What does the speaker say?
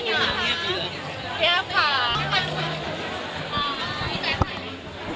ตอนนี้นะคะจะไม่ได้ตอบเลยคะ